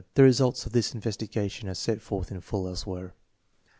The re sults of this investigation are set forth in full elsewhere.